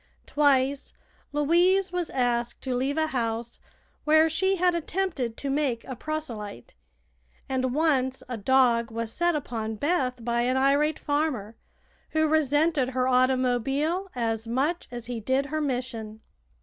Twice Louise was asked to leave a house where she had attempted to make a proselyte, and once a dog was set upon Beth by an irate farmer, who resented her automobile as much as he did her mission.